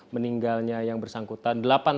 meninggalnya yang bersangkutan